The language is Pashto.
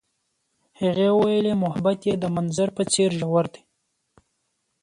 هغې وویل محبت یې د منظر په څېر ژور دی.